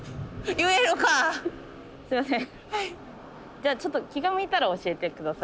じゃあちょっと気が向いたら教えて下さい。